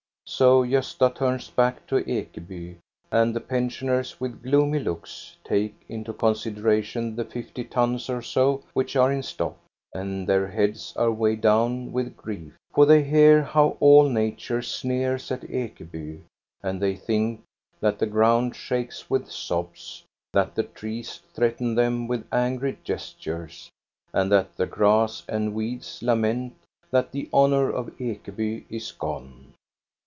So Gosta turns back to Ekeby, and the pensioners with gloomy looks take into consideration the fifty tons or so, which are in stock, and their heads are weighed down with grief, for they hear how all nature sneers at Ekeby, and they think that the ground shakes with sobs, that the trees threaten them with angry gestures, and that the grass and weeds lament that the honor of Ekeby is gone.